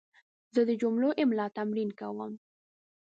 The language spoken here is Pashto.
زه د جملو املا تمرین کوم.